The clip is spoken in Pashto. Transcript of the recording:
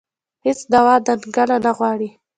هېڅ دعوا دنګله نه غواړي